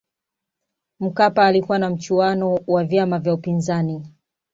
mkapa alikuwa na mchuano wa vyama vya upinzani